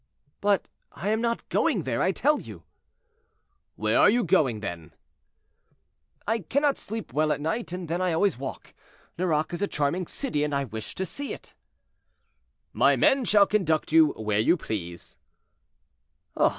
"But I am not going there, I tell you." "Where are you going, then?" "I cannot sleep well at night, and then I always walk. Nerac is a charming city, and I wish to see it." "My men shall conduct you where you please."